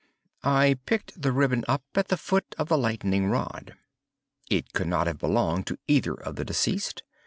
I picked the ribbon up at the foot of the lightning rod. It could not have belonged to either of the deceased.